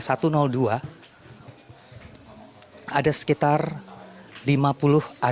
di kamar satu ratus dua ada sekitar lima puluh adegan yang diperagakan